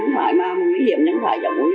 và đứa con thơ